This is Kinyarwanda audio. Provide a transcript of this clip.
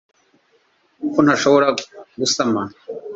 Ko ntashobora gusama